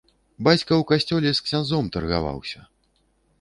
Бацька ў касцёле з ксяндзом таргаваўся.